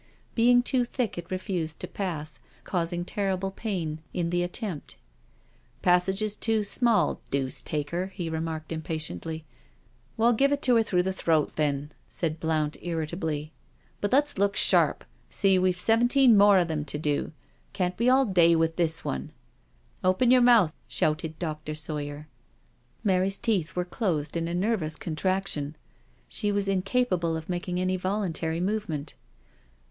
Being too thick it refused to pass, causing terrible pain in the attempt. " Passage is too small, deuce take her," he remarked impatiently. " Well, give it her through the throat then," said Blount irritably. " But let's look sharp — see, we've seventeen more of them to do — can't be all day with this one.'^ *' Open your mouth," shouted Dr. Sawyer. Mary's teeth were closed in a nervous contraction. She was incapable of making any voluntary movement.